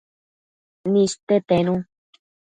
niste tenu